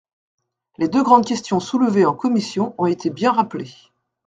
Les deux grandes questions soulevées en commission ont été bien rappelées.